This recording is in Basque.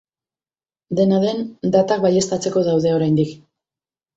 Dena den, datak baieztatzeko daude oraindik.